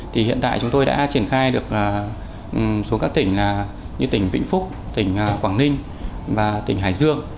thì hiện tại chúng tôi đã triển khai được số các tỉnh như tỉnh vĩnh phúc tỉnh quảng ninh và tỉnh hải dương